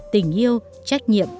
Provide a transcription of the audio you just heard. tình yêu trách nhiệm